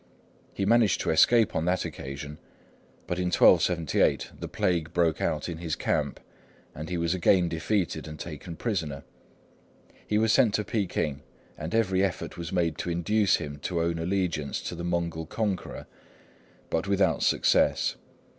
He managed to escape on that occasion; but in 1278 the plague broke out in his camp, and he was again defeated and taken prisoner. He was sent to Peking, and every effort was made to induce him to own allegiance to the Mongol conqueror, but without success.